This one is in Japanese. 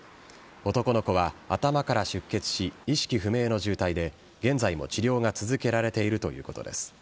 男の子は頭から出血し意識不明の重体で現在も治療が続けられているということです。